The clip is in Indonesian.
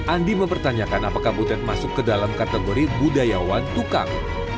andi mempertanyakan apakah butet masuk ke dalam kategori budayawan tukang